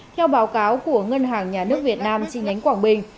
theo báo cáo của ngân hàng nhà nước việt nam chi nhánh quảng bình